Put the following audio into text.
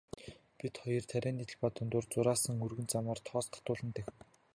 Бид хоёр тарианы талбай дундуур зурайсан өргөн замаар тоос татуулан давхив.